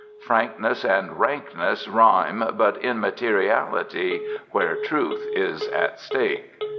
Frankness and rankness rhyme but in materiality where truth is at stake.